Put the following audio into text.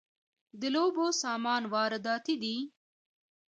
د لوبو سامان وارداتی دی؟